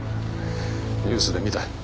ニュースで見たよ